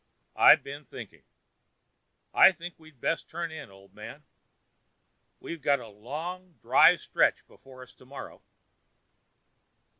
I've been thinking.... I think we'd best turn in, old man; we've got a long, dry stretch before us to morrow."